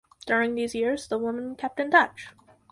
During these years, the women kept in touch.